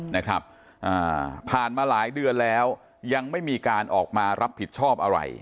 นะครับอ่าผ่านมาหลายเดือนแล้วยังไม่มีการออกมารับผิดชอบอะไร